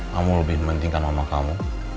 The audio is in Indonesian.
kamu lebih mementingkan mama kamu